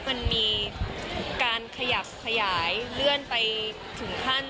มันมีการขยับขยายเลื่อนไปถึงขั้น